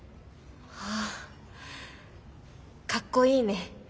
あかっこいいね。